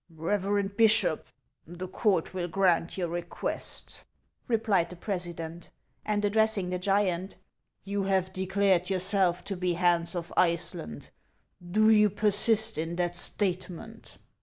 "Reverend Bishop, the court will grant your request," replied the president ; and addressing the giant :" You have declared yourself to be Hans of Iceland ; do you persist in that statement